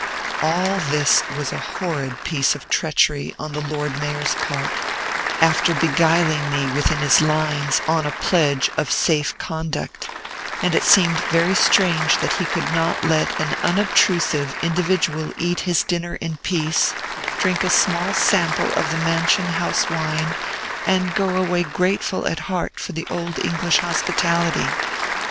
All this was a horrid piece of treachery on the Lord Mayor's part, after beguiling me within his lines on a pledge of safe conduct; and it seemed very strange that he could not let an unobtrusive individual eat his dinner in peace, drink a small sample of the Mansion House wine, and go away grateful at heart for the old English hospitality.